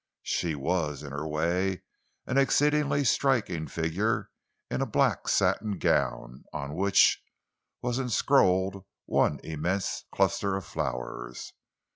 She was, in her way, an exceedingly striking figure in a black satin gown on which was enscrolled one immense cluster of flowers.